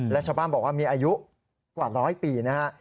และชาวบ้านบอกว่ามีอายุกว่าร้อยปีนะฮะ